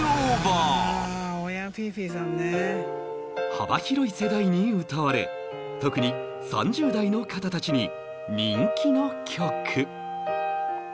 幅広い世代に歌われ特に３０代の方たちに人気の曲